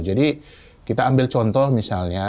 jadi kita ambil contoh misalnya